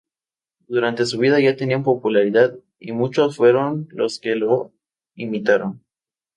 Durante su vida ya tenía popularidad y muchos fueron los que lo imitaron.